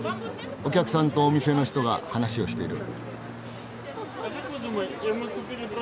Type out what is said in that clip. お客さんとお店の人が話をしている。